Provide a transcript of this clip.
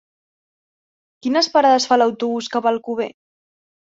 Quines parades fa l'autobús que va a Alcover?